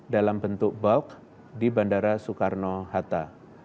dalam bentuk balk di bandara soekarno hatta